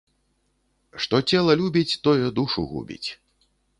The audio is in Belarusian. Што цела любіць, тое душу губіць